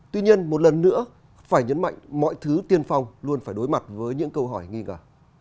tuy nhiên một lần nữa phải nhấn mạnh mọi thứ tiên phong luôn phải đối mặt với những câu hỏi nghi ngờ